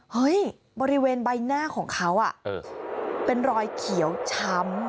เฮ้ยบริเวณใบหน้าของเขาเป็นรอยเขียวช้ำ